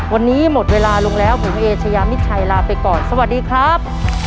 วันนี้หมดเวลาลงแล้วผมเอเชยามิชัยลาไปก่อนสวัสดีครับ